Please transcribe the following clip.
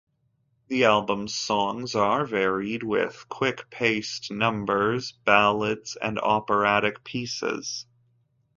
The album's songs are varied, with "quick-paced numbers", ballads, and operatic pieces.